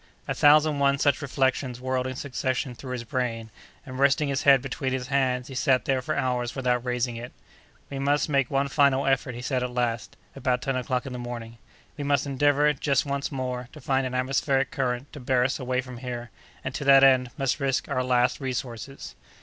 A thousand one such reflections whirled in succession through his brain; and, resting his head between his hands, he sat there for hours without raising it. "We must make one final effort," he said, at last, about ten o'clock in the morning. "We must endeavor, just once more, to find an atmospheric current to bear us away from here, and, to that end, must risk our last resources."